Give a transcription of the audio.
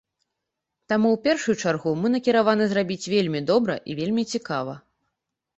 Таму ў першую чаргу мы накіраваны зрабіць вельмі добра і вельмі цікава.